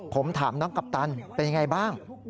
ผมถามน้องกัปตันเป็นยังไงบ้าง